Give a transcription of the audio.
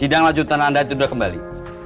bidang lanjutan anda sudah kembali